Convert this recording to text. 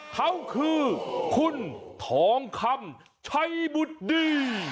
เขาคือคุณทองคำชัยบุตรดี